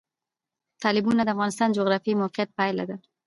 تالابونه د افغانستان د جغرافیایي موقیعت پایله ده.